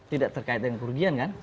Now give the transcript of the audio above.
tidak terkait dengan kerugian kan